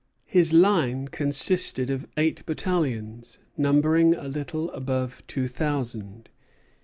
His line consisted of eight battalions, numbering a little above two thousand.